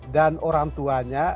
dan orang tuanya